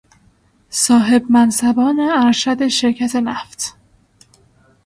صاحب منصبان ارشد شرکت نفت